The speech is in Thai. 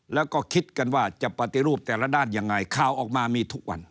แล้วก็คิดกันว่าจะปฏิรูปแต่ละด้านยังไง